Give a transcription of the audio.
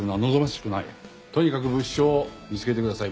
とにかく物証を見つけてください。